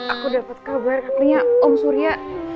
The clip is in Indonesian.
aku dapat kabar katanya om surya